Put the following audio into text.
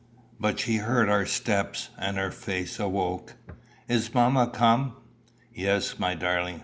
] But she heard our steps, and her face awoke. "Is mamma come?" "Yes, my darling.